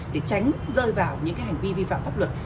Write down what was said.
để tránh rơi vào những cái hành vi vi phẳng pháp luật